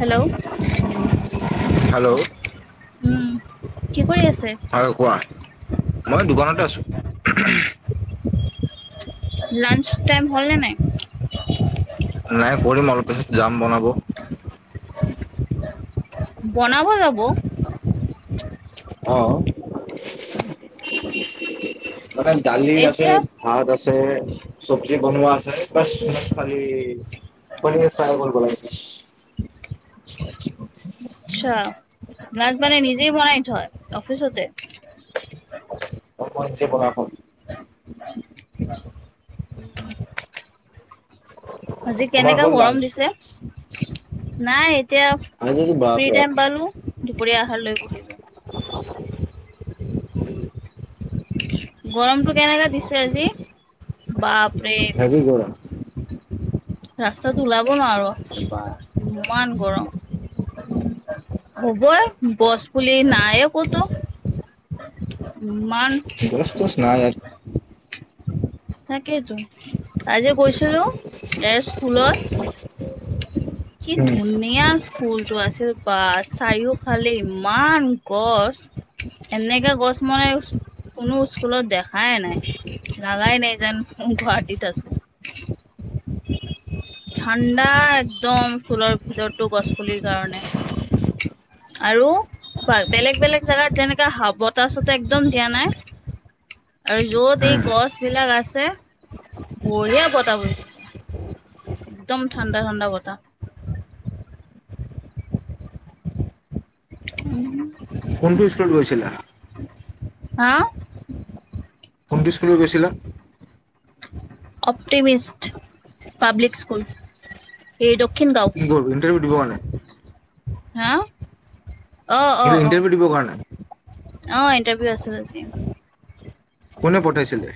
Hello hello উম কি কৰি আছে? হয়, কোৱা মই এই দোকানতে আছোঁ। লাঞ্চ টাইম হ'লে নে নাই? নাই কৰিম অলপ পিছত যাম বনাব। বনাব যাব? অ মানে দালি আছে এতিয়া ভাত আছে চব্জি বনোৱা আছে বচ‌ তোমাক খালি কৰি আছো আৰু কৰিব লাগে। আচ্ছা লাঞ্চ মানে নিজেই বনাই থয় অফিচতে? অ মই নিজেই বনাই খাওঁ। আজি তোমাৰ কেনেকা হ'ল গৰম লাঞ্চ দিছে? নাই এতিয়া আজি ফ্ৰী বাপৰে বাপ টাইম পালো দুপৰীয়া অহাৰ লৈ বহিলোঁ। [unintelligible] গৰমতটো কেনেকা দিছে আজি বা হেৱি গৰম। ৰাস্তাত ওলাব নোৱাৰো হৈছোঁ বা ইমান গৰম। হ'বই গছ পুলি নাইে ক'তো। ইমান গছ টছ নাই ইয়াত। তাকেইেতো আজি গৈছিলো এ স্কুলত কি উম ধুনীয়া স্কুলটো আছিল। বা চাৰিওফালে ইমান গছ এনেকাে গছ মই কোনো স্কুলত দেখাই নাই লগাই নাই যেন মই গুৱাহাটীত আছোঁ। ঠাণ্ডা একদম ফুলৰ ভিতৰতটো গছ পুলিৰ কাৰণে। আৰু বেলেগ বেলেগ জেগাত যেনেকা হা বতাহ চতাহ একদম দিয়া নাই আৰু য'ত এই উম গছ বিলাক আছে। বঢ়িয়া বতাহ বয় থাকে একদম ঠাণ্ডা ঠাণ্ডা বতাহ। উম। কোনটো স্কুলত গৈছিলা? হা? কোনটো স্কুললৈ গৈছিলা? অপ্টিমিষ্ট পাব্লিক স্কুল এই দক্ষিণ গাঁও। কি কৰিব ইটাৰভিউ দিব কাৰণে? হা? অ অ অ ইণ্টাৰভিউ দিবৰ কাৰণে? অ ইণ্টাৰভিউ আছিল আজি। কোনে পঠাইছিলে?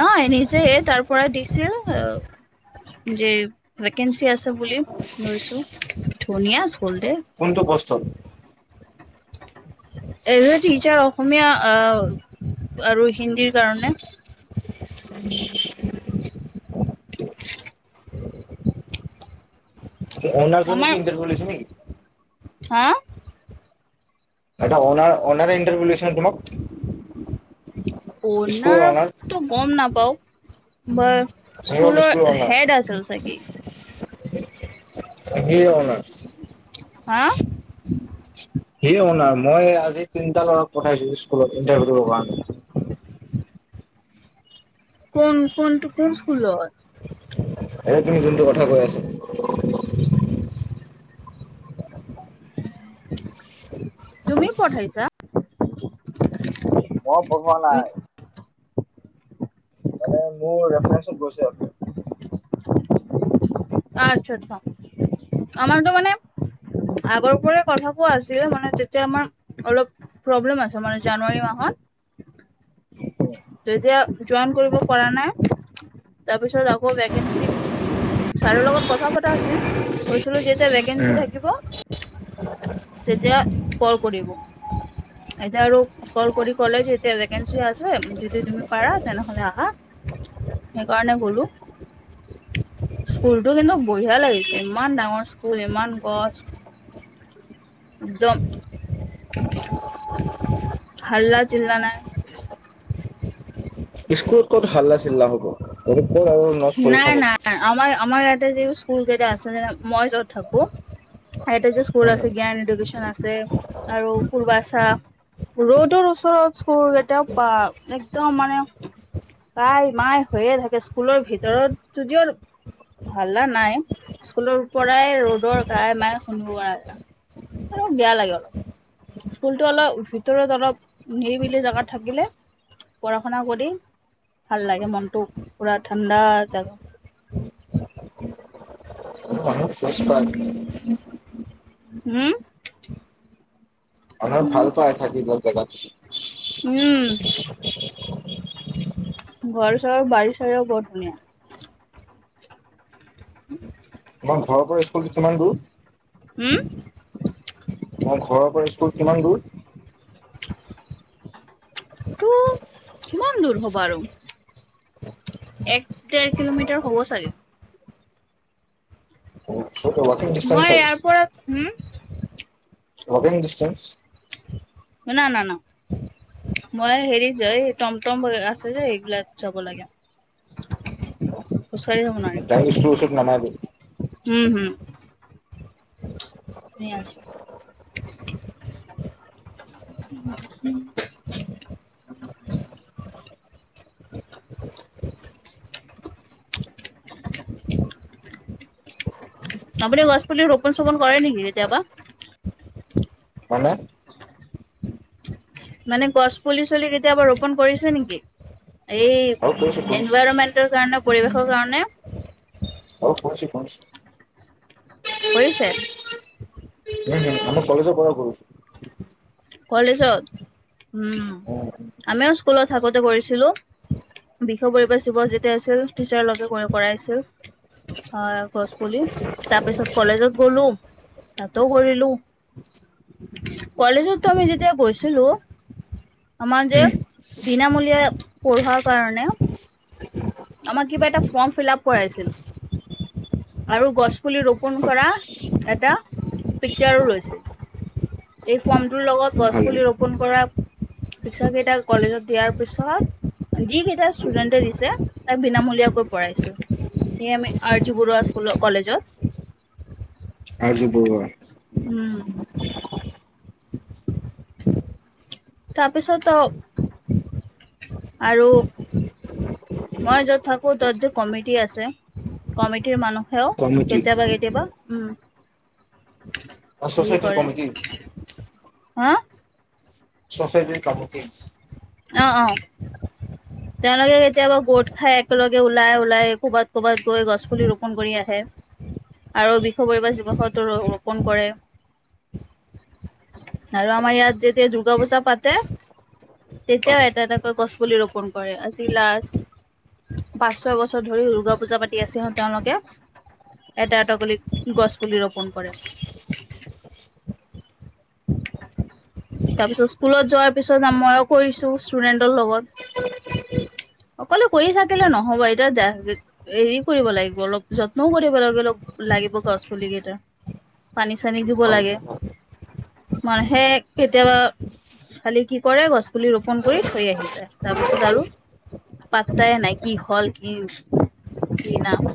নহয় নিজেই তাৰ পৰা দিছিল যে ভেকেঞ্চি আছে বুলি গৈছো। ধুনীয়া স্কুল দেই। কোনটো কষ্ট? এজে টিচাৰ অসমীয়া অ আৰু হিন্দীৰ কাৰণে। [unintelligible] অনাৰ জনে আমাৰ কি ইণ্টাৰভিউ লৈছে নেকি? হা? এটা অনাৰ অনাৰে ইণ্টাৰভিউ লৈছে ন তোমাক? স্কুলৰ অনাৰ অণাৰতটো গম নাপাওঁ। বাৰ সি হ'ল স্কুলৰ অনাৰ হেড আছিল চাগে। সিয়ে অনাৰ। হা। সেই অনাৰ মই আজি তিনটা ল'ৰাক পঠাইছো স্কুলত ইন্টাৰভিউ দিবৰ কাৰণে। কোন কোনটো কোন স্কুলত? এনে তুমি যোনটো কথা কৈ আছা। তুমিও পঠাইছা? মই পঢ়োৱা নাই। মানে মোৰ ৰেফাৰেঞ্চত গৈছে সিহঁতে। আ আচ্ছা আচ্ছা আমাৰতো মানে আগৰপৰে কথাাকোৱা আছিল মানে যেতিয়া আমাৰ অলপ প্ৰব্লেম আছে মানে জানুৱাৰী মাহত উম। তেতিয়া জইন কৰিব পৰা নাই, তাৰপিছত আকৌ ভেকেঞ্চি ছাৰৰ লগত কথা পতা হৈছিল, কৈছিলো যেতিয়া ভেকেঞ্চি উম থাকিব তেতিয়া কল কৰিব। এতিয়া আৰু কল কৰি ক'লে যে এতিয়া ভেকেঞ্চি আছে যদি তুমি পাৰা তেনেহ'লে আহা, সেইকাৰণে গ'লো। স্কুলতো কিন্তু বঢ়িয়া লাগিছে, ইমান ডাঙৰ স্কুল ইমান গছ একদম হাল্লা জিলা নাই স্কুলত ক'ত হাল্লা চিল্লা হ'ব [unintelligible] নাই নাই আমাৰ আমাৰ ইয়াতে যি স্কুল কেইটা আছে যে মই য'ত থাকো এইটে স্কুল আছে জ্ঞান এডুকেশ্যন আছে আৰু পুৰ্বাছা ৰডৰ ওচৰত স্কুৰ [unintelligible] একদম মানে কাই মায় হৈয়ে থাকে স্কুলৰ ভিতৰত যদিও হাল্লা নাই স্কুলৰ পৰাই ৰডৰ কাই মাই শুনো আৰু। বেয়া লাগে। স্কুলতো অলপ ভিতৰত অলপ নিৰিবিলি জেগাত থাকিলে পঢ়া শুনা কৰি ভাল লাগে মনটো পুৰা ঠাণ্ডা জাগা [unintelligible] হম? [unintelligible] ভাল পায় থাকিবৰ জেগাত উম ঘৰ-চৰ বাৰী চাৰিও বৰ ধুনীয়া। [unintelligible] ঘৰৰ পৰা স্কুলটো কিমান দূৰ? হম অ ঘৰৰ পৰা স্কুল কিমান দূৰ? [inaudible] [inaudible] কিমান দূৰ হ'ব আৰু এক দেৰ কিলোমিটাৰ হ'ব চাগে। উৱাকিং ডিষ্টেনচ মই হয় ইয়াৰ পৰা হম উৱাকিং ডিষ্টেনচ। না-না-না মই হেৰি যে এই টম [unintelligible] আছে যে এইগিলাক যাব লাগে। খোছকাঢ়ি যাব নোৱাৰি ডাইৰেক্ট স্কুলৰ ওচৰত নামাবি হম হম। [unintelligible] [unintelligible] [unintelligible] আপুনি গছ পুলি ৰোপন-চোপন কৰে নেকি কেতিয়াবা? মানে? মানে গছ পুলি চুলি কেতিয়াবা ৰোপন কৰিছে নেকি, এই আৰু কৰিছো কৰিছো এনভাইৰমেন্ট ৰ কাৰণে পৰিৱেশৰ কাৰণে অ কৰিছো কৰিছো কৰিছে? উম আমা কলেজৰ পৰা কৰিছো কলেজত উম আমিও স্কুলত থাকোতে কৰিছিলো বিশ পৰিৱেশ দিব যেতিয়া হৈছিল টিচাৰ লগে ক কৰাইছিল হয় গছ পুলি তাৰপিছত কলেজত গ'লো তাতো কৰিলো কলেজততো আমি যেতিয়া গৈছিলো আমাৰ যে উম বিনামূলীয়া পঢ়োৱাৰ কাৰণে আমাক কিবা এটা ফৰ্ম ফিলাপ কৰাইছিল আৰু গছ পুলি ৰোপন কৰা এটা পিকচাৰো লৈছিল এই ফৰ্মটোৰ লগত গছ ভালে পুলি ৰোপন কৰা পিকচাৰ কেইটা কলেজত দিয়াৰ পিছত যি কেইটা ষ্টুডেন্টে দিছে তাক বিনামূলীয়াকৈ পঢ়াইছিল। এয়াৰ আমি আৰজো বৰুৱা স্কুলৰ কলেজত। আৰজু বৰুৱা। উম, তাৰপিছত অ' আৰু মই য'ত থাকো, ততো কমিটি আছে, কমিটিৰ মানুহেও কমিটি। কেতিয়াবা কেতিয়াবা উম। অ' হেৰি ছ'চাইটিৰ কৰে কমিটি। হা ছ'চাইটিৰ কামুটি। অ' অ'। তেওঁলোকে কেতিয়াবা গোট খাই একেলগে ওলাই, ওলাই ক'ৰবাত ক'ৰবাত গৈ গছ পুলি ৰোপন কৰি আহে। আৰু বিষ পৰিৱেশ দিৱসটো ৰো ৰোপণ কৰে। আৰু আমাৰ ইয়াত যেতিয়া দুূৰ্গা পূজা পাতে। তেতিয়াও এটা এটাকৈ গছপুলি ৰোপন কৰে, আজি লাষ্ট পাঁচ ছয় বছৰ ধৰি দুৰ্গা পূজা পাতি আছে অ' তেওঁলোকে। এটা এটা পুলি গছ পুলি ৰোপন কৰে। তাৰপিছত পিছত স্কুলত যোৱাৰ পিছত মইো ষ্টুডেন্টৰ লগত। সকলো কৰি ঠাকিলে নহব এতিয়া আছা নহ'ব এতিয়া। হেৰি কৰিব লাগিব। অলপ পিছত যত্নও কৰিব লাগিব, লাগিব গছ পুলি কেইটা। পানী চানী দিব লাগে অ' হেই কেতিয়াবা। খালি কি কৰে, গছ পুলি ৰোপন কৰি থৈ আহি যায়। তাৰপিছত আৰু পাত্তাই নাই কি হ'ল কি কিনাহুৱা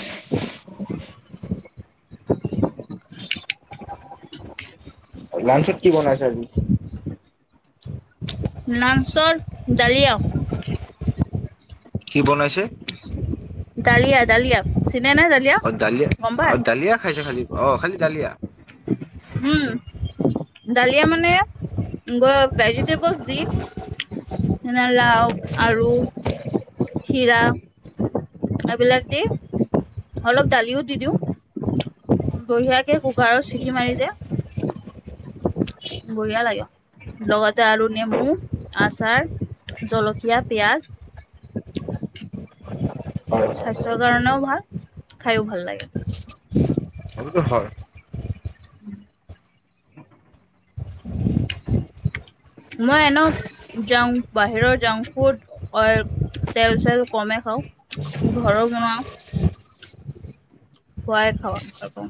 [unintelligible] [unintelligible] লানঞ্চত কি বনাইছা আজি। [unintelligible] লাঞ্চত ডালিঅ' কি বনাইছে? ডালিয়া, ডালিয়া। চিনা ডালি অ' দালিয়া অ দালিয়া খাইছোঁ খালি অ' খালি ডালিয়া। উম, দালিয়া মানে গ ভেজিটেবলছ দি। [unintelligible] লাওঁ আৰু খিৰা। এইবিলাক দি, অলপ দালিও দি দিওঁ। বঢ়িয়াকে কুকাৰত চিটি মাৰি দে। বঢ়িয়া লাগে লগতে আৰু নেমু আছাৰ। জলকীয়া, পিয়াঁজ এইটোতো স্বাস্থ্যৰ কাৰণেও ভাল। খাইও ভাল লাগে। সেইটো হয়। [unintelligible] মই এনেও জাং বাহিৰৰ জাংক ফুত অ' তেল চেল কমে খাওঁ, ঘৰো বনাওঁ। খোৱাই খাবা তাৰপৰা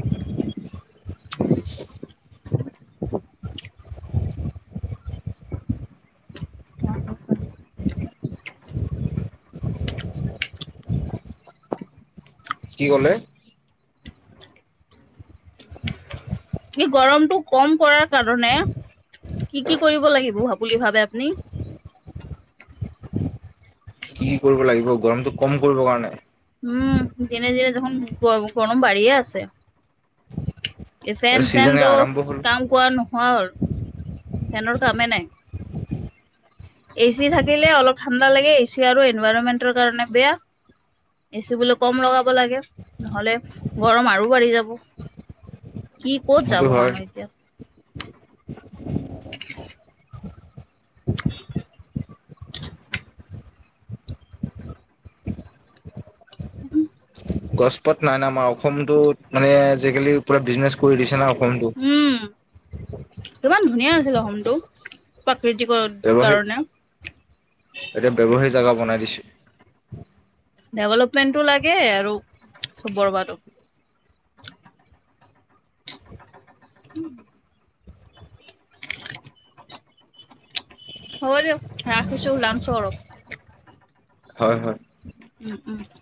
মাছ আছে। [unintelligible] কি ক'লে। কি গৰমটো কম কৰাৰ কাৰণে কি কি কৰিব লাগিব বুলি ভাবে আপুনি। কি। কি কৰিব লাগিব গৰমতটো কম কৰিবৰ কাৰণে উম দিনে দিনে দেখোন গৰম গৰম বাঢ়িয়ে আছে এই এ ফেন ছিজনে চেনটো আৰম্ভ হ'ল কাম কৰা নহোৱা হ'ল ফেনৰ কামে নাই এ চি থাকিলে অলপ ঠাণ্ডা লাগে এ চি আৰু এনভাইৰনমেন্টৰ কাৰণে বেয়া এচি বোলে কম লগাব লাগে নহলে গৰম আৰু বাঢ়ি যাব কি ক'ত যাব সেইটো হয় মানুহ এতিয়া উম গছ পাত নাই নাই আমাৰ অসমতোত মানে আজিকালি মানে বিজনেছ কৰি দিছে না অসমটো ইমান ধুনীয়া আছিল অসমটো প্ৰাকৃতিকৰ ব্যৱসায় কাৰণে এতিয়া ব্যৱসায় জেগা বনাই দিছে ডেভেলপমেণ্টটো লাগে আৰু চব বৰবাদো উম [unintelligible] হ'ব দিয়ক ৰাখিছো ওলাম ছো আৰু হয় হয় উম উম [inaudible]